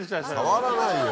触らないよ。